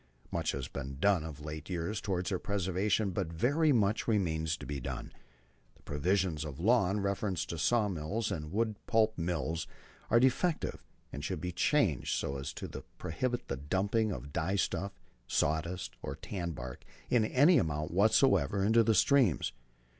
Much has been done of late years towards their preservation, but very much remains to be done. The provisions of law in reference to sawmills and wood pulp mills are defective and should be changed so as to prohibit dumping dye stuff, sawdust, or tan bark, in any amount whatsoever, into the streams.